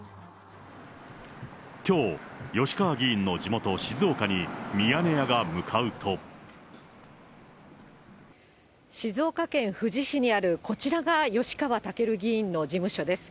きょう、吉川議員の地元、静岡に、静岡県富士市にあるこちらが、吉川赳議員の事務所です。